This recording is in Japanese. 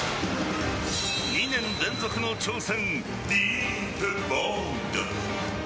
２年連続の挑戦、ディープボンド。